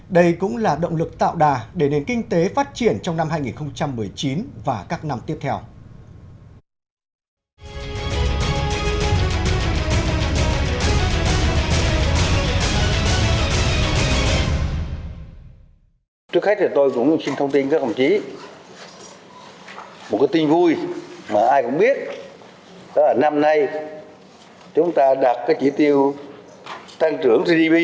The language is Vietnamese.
đây cũng là động lực tạo đà để nền kinh tế phát triển trong năm hai nghìn một mươi chín và các năm tiếp theo